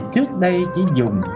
trước đây chỉ dùng